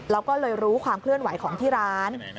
แล้วก็เลยรู้ความเคลื่อนไหวของที่ร้าน